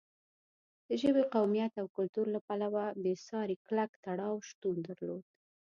د ژبې، قومیت او کلتور له پلوه بېساری کلک تړاو شتون درلود.